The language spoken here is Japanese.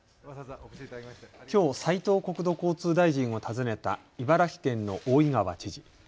きょう斉藤国土交通大臣を訪ねた茨城県の大井川知事。